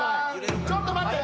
ちょっと待って！